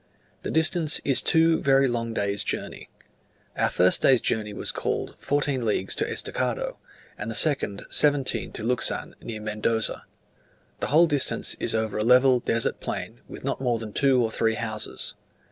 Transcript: The distance is two very long days' journey. Our first day's journey was called fourteen leagues to Estacado, and the second seventeen to Luxan, near Mendoza. The whole distance is over a level desert plain, with not more than two or three houses.